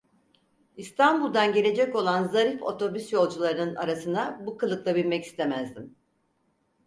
İstanbul'dan gelecek olan zarif otobüs yolcularının arasına bu kılıkla binmek istemezdim.